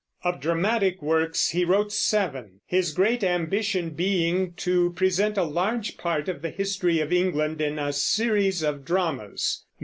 Of dramatic works he wrote seven, his great ambition being to present a large part of the history of England in a series of dramas.